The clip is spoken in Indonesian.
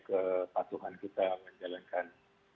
kepatuhan kita menjalankan